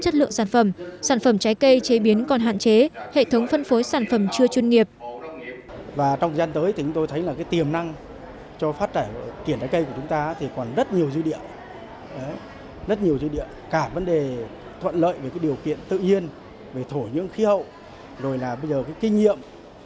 chất lượng sản phẩm sản phẩm trái cây chế biến còn hạn chế hệ thống phân phối sản phẩm chưa chuyên nghiệp